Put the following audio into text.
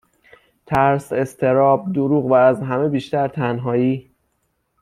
ترس ، اضطراب ، دروغ و از همه بیشتر تنهایی